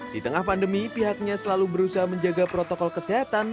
di tengah pandemi pihaknya selalu berusaha menjaga protokol kesehatan